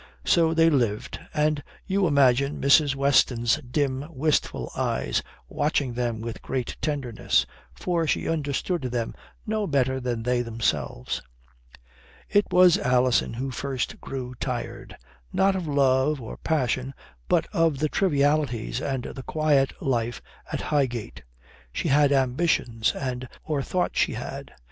So they lived, and you imagine Mrs. Weston's dim, wistful eyes watching them with a great tenderness. For she understood them no better than they themselves. It was Alison who first grew tired. Not of love or passion, but of the trivialities and the quiet life at Highgate. She had ambitions, or thought she had.